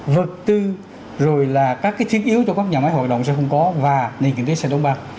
vật tư rồi là các cái thiết yếu cho các nhà máy hội đồng sẽ không có và nền kinh tế sân đông bằng